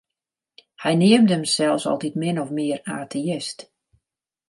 Hy neamde himsels altyd min of mear ateïst.